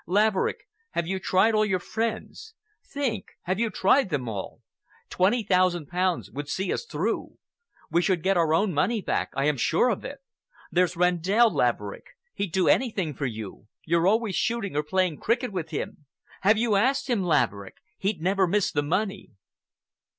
Laverick, have you tried all your friends? Think! Have you tried them all? Twenty thousand pounds would see us through it. We should get our own money back—I am sure of it. There's Rendell, Laverick. He'd do anything for you. You're always shooting or playing cricket with him. Have you asked him, Laverick? He'd never miss the money."